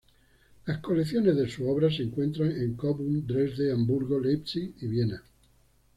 Las colecciones de sus obras se encuentran en Coburg, Dresde, Hamburgo, Leipzig y Viena.